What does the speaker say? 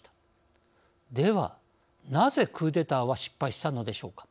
ではなぜクーデターは失敗したのでしょうか。